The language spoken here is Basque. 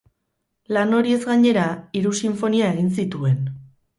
Lan horiez gainera, hiru sinfonia egin zituen.